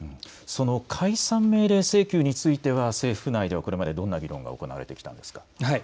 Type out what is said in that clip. その解散命令請求については政府内ではこれまでどんな議論が行われてきたんですか。